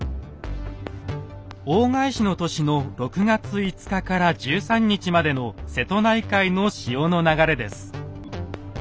大返しの年の６月５日から１３日までの瀬戸内海の潮の流れです。